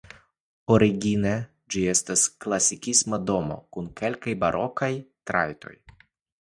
Origine ĝi estis klasikisma domo kun kelkaj barokaj trajtoj.